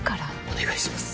「お願いします」